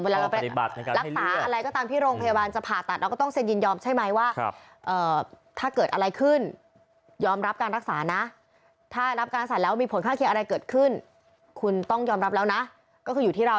เวลาเราไปรักษาอะไรก็ตามที่โรงพยาบาลจะผ่าตัดเราก็ต้องเซ็นยินยอมใช่ไหมว่าถ้าเกิดอะไรขึ้นยอมรับการรักษานะถ้ารับการรักษาแล้วมีผลข้างเคียงอะไรเกิดขึ้นคุณต้องยอมรับแล้วนะก็คืออยู่ที่เรา